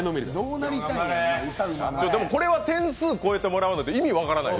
これは点数超えてもらわないと意味分からないよ。